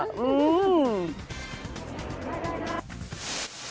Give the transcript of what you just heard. อืม